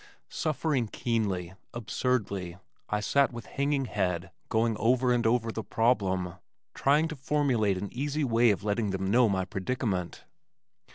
Suffering keenly, absurdly, I sat with hanging head going over and over the problem, trying to formulate an easy way of letting them know my predicament.